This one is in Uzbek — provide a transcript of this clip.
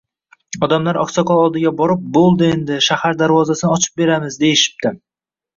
Odamlar oqsoqol oldiga borib, bo‘ldi endi, shaharning darvozasini ochib beramiz, deyishibdi.